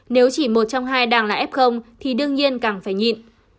nếu chỉ một trong hai đang là ép không thì đương nhiên càng phải nhịn